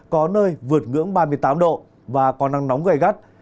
có nơi vượt ngưỡng ba mươi tám độ và có nắng nóng gây gắt